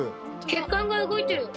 血管が動いてる。